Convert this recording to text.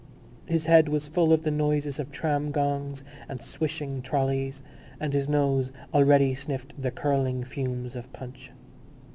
His head was full of the noises of tram gongs and swishing trolleys and his nose already sniffed the curling fumes of punch.